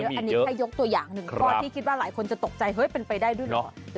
อันนี้แค่ยกตัวอย่างหนึ่งข้อที่คิดว่าหลายคนจะตกใจเฮ้ยเป็นไปได้ด้วยเหรอ